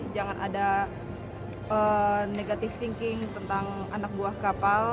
jangan ada negative thinking tentang anak buah kapal